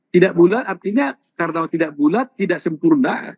tidak bulat artinya karena tidak bulat tidak sempurna